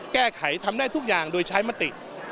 แก้ไขทำได้ทุกอย่างโดยใช้มติ